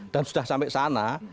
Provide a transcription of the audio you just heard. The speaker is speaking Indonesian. dan sudah sampai sana